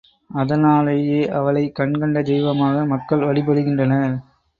அதனாலேயே அவளை கண்கண்ட தெய்வமாக மக்கள் வழிபடுகின்றனர்.